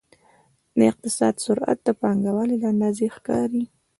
د اقتصاد سرعت د پانګونې له اندازې ښکاري.